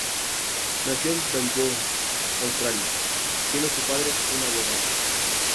Nació en Melbourne, Australia, siendo su padre un abogado.